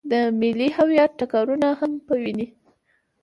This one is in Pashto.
د ملي هویت ټکرونه هم په ويني.